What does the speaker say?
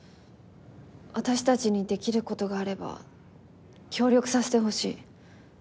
私たちにできる事があれば協力させてほしい。